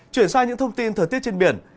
chuyển sang những thông tin thờ tuyết trên biển